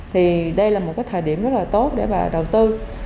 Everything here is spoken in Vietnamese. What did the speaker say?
thì đây là một cái thời điểm rất là tốt để mà đầu tư